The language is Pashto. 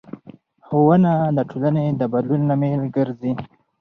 ښوونه د ټولنې د بدلون لامل ګرځي